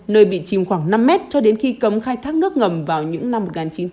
nơi bị chìm khoảng năm mét cho đến khi cấm khai thác nước ngầm vào những năm một nghìn chín trăm bảy mươi